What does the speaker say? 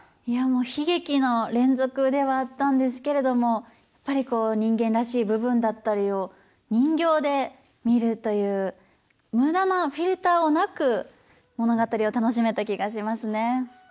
いやもう悲劇の連続ではあったんですけれどもやっぱり人間らしい部分だったりを人形で見るという無駄なフィルターもなく物語を楽しめた気がしますね。